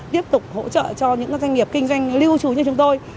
tiếp tục hỗ trợ cho những doanh nghiệp kinh doanh lưu trú như chúng tôi